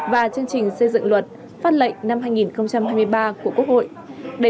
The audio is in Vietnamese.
và chương trình xây dựng luật pháp lệnh năm hai nghìn hai mươi ba của quốc hội